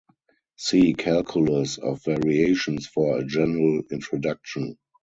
See calculus of variations for a general introduction.